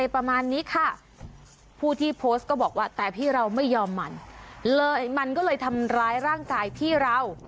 ประมาณนี้ค่ะผู้ที่โพสต์ก็บอกว่าแต่พี่เราไม่ยอมมันเลยมันก็เลยทำร้ายร่างกายพี่เรา